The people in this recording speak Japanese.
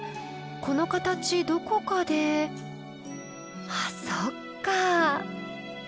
この形どこかであそっか！